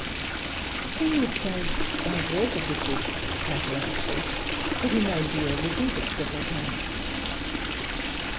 The King was so diverted with this fiatterinrj speech that he made the earl repeat it several times.